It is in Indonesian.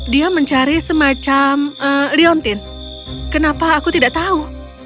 dia mencari semacam leontin kenapa aku tidak tahu